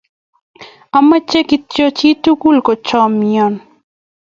Amache kityo chi tukul kochomya